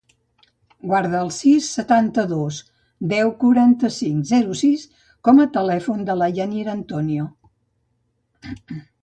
Guarda el sis, setanta-dos, deu, quaranta-cinc, zero, sis com a telèfon de la Yanira Antonio.